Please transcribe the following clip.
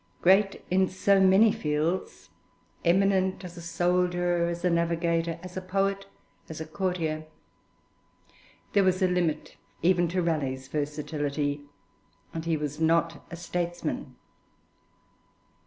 Great in so many fields, eminent as a soldier, as a navigator, as a poet, as a courtier, there was a limit even to Raleigh's versatility, and he was not a statesman.